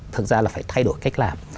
thực ra là phải thay đổi cách làm